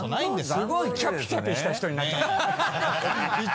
すごいキャピキャピした人になっちゃった。